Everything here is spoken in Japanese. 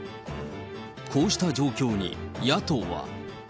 こうした状況に野党は。